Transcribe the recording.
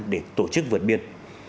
để tổ chức vượt biên